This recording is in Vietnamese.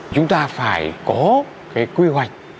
chúng ta phải có cái quy hoạch